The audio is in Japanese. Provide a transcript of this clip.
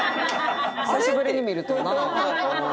久しぶりに見るとな。